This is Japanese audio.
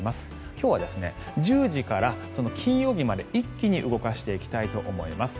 今日は１０時から金曜日まで一気に動かしていきます。